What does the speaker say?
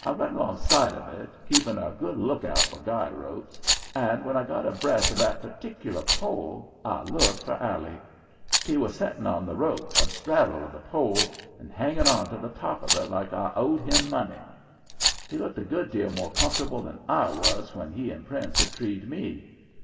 I run along side of it, keeping a good lookout for guy ropes, and when I got abreast of that particular pole I looked for Allie. He was setting on the rope, a straddle of the pole, and hanging onto the top of it like it owed him money. He looked a good deal more comfortable than I was when he and Prince had treed me.